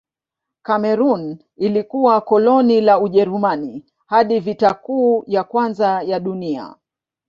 Kamerun ilikuwa koloni la Ujerumani hadi Vita Kuu ya Kwanza ya Dunia.